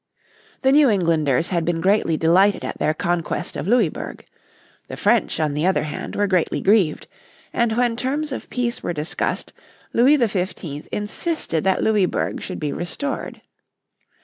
The New Englanders had been greatly delighted at their conquest of Louisburg. The French, on the other hand, were greatly grieved, and when terms of peace were discussed Louis XV insisted that Louisburg should be restored.